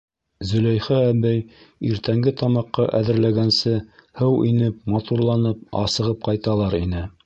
Зөләйха әбей иртәнге тамаҡҡа әҙерләгәнсе, һыу инеп, матурланып, асығып ҡайталар ине.